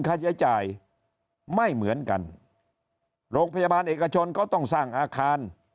ค่าใช้จ่ายไม่เหมือนกันโรงพยาบาลเอกชนก็ต้องสร้างอาคาร